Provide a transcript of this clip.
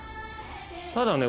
ただね